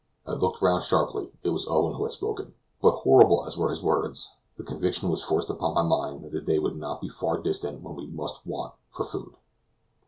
I looked round sharply. It was Owen who had spoken. But horrible as were his words, the conviction was forced upon my mind that the day could not be far distant when we must want for food.